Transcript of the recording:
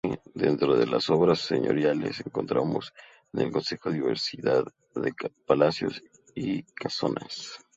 Dentro de las obras señoriales encontramos en el concejo diversidad de palacios y casonas.